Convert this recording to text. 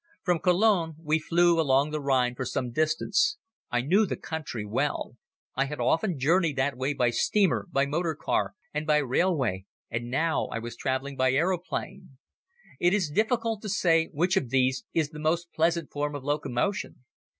From Cologne we flew along the Rhine for some distance. I knew the country well. I had often journeyed that way by steamer, by motor car, and by railway, and now I was traveling by aeroplane. It is difficult to say which of these is the most pleasant form of locomotion.